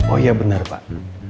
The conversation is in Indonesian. oh iya benar pak